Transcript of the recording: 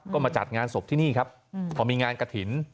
ก็มาจัดงานศพที่นี่ครับพอมีงานกระถิ่น